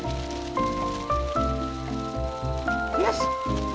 よし！